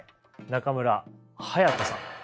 中村隼人さん。